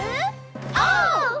オー！